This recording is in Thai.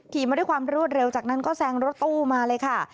มาด้วยความรวดเร็วจากนั้นก็แซงรถตู้มาเลยค่ะ